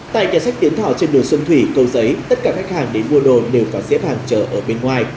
tại nhà sách tiến thọ trên đường xuân thủy câu giấy tất cả khách hàng đến mua đồ đều phải xếp hàng trở ở bên ngoài